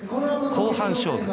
後半勝負。